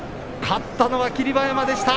勝ったのは霧馬山でした。